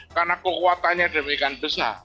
karena kekuatannya demikian besar